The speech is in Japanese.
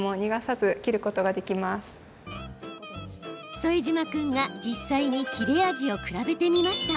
副島君が実際に切れ味を比べてみました。